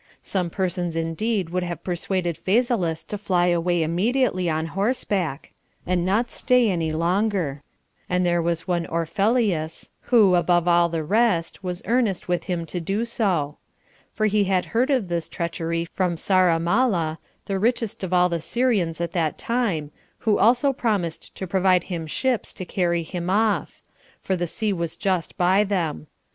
Some persons indeed would have persuaded Phasaelus to fly away immediately on horseback, and not stay any longer; and there was one Ophellius, who, above all the rest, was earnest with him to do so; for he had heard of this treachery from Saramalla, the richest of all the Syrians at that time, who also promised to provide him ships to carry him off; for the sea was just by them.